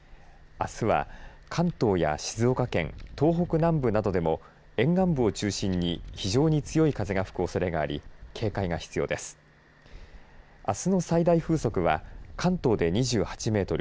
あすは関東や静岡県東北南部などでも沿岸部を中心に非常に強い風が吹くおそれがあり警戒が必要です。